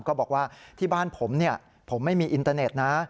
ก็บอกว่าที่บ้านผมผมไม่มีอินเตอร์เน็ตนะ